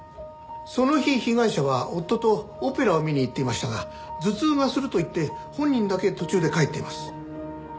その日被害者は夫とオペラを見に行っていましたが頭痛がすると言って本人だけ途中で帰っています。